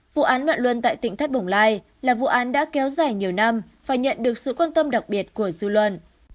vụ án loạn luân tại tỉnh thất bồng lai là vụ án đã kéo dài nhiều năm và nhận được sự quan tâm đặc biệt của dư luận